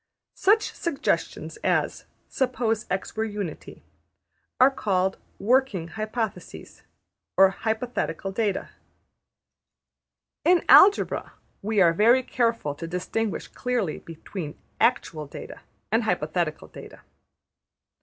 Such suggestions as ``suppose $x$ were Unity'' are called ``working hypotheses,'' or ``hypothetical data.'' In Algebra we are very careful to distinguish clearly between actual data and hypothetical data.